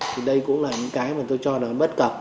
thì đây cũng là những cái mà tôi cho là bất cập